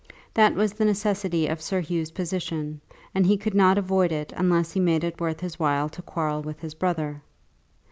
That was the necessity of Sir Hugh's position, and he could not avoid it unless he made it worth his while to quarrel with his brother.